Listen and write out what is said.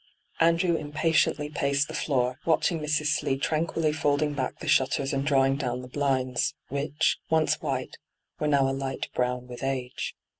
* Andrew impatiently paced the floor, watch ing Mrs. Slee tranquilly folding back the shutters and drawing down the blinds, which, once white, were now a light brown with age.